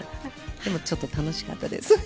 でもちょっと楽しかったです。